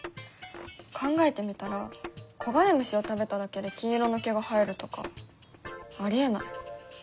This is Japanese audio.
考えてみたら黄金虫を食べただけで金色の毛が生えるとかありえない。